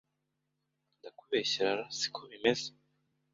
Ndakubeshyera ra siko bimeze